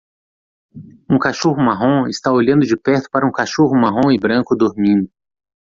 Um cachorro marrom está olhando de perto para um cachorro marrom e branco dormindo.